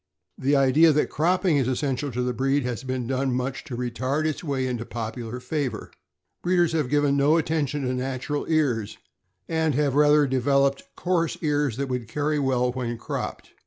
The idea that cropping is essential to the breed has done much to retard its way into popular favor. Breeders have given no attention to natural ears, and have rather devel oped coarse ears that would carry well when cropped.